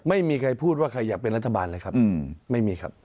ไม่มีใครพูดว่าใครอยากเป็นรัฐบาลเลยครับไม่มีครับ